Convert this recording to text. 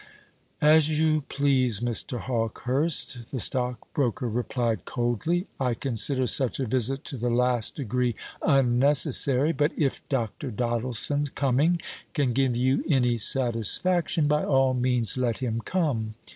"As you please, Mr. Hawkehurst," the stockbroker replied coldly. "I consider such a visit to the last degree unnecessary; but if Dr. Doddleson's coming can give you any satisfaction, by all means let him come.